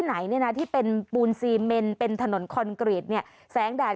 ไหนเนี่ยนะที่เป็นปูนซีเมนเป็นถนนคอนกรีตเนี่ยแสงแดด